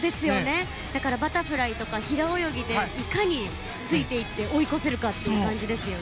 だからバタフライとか平泳ぎでいかについていって追い越せるかっていう感じですよね。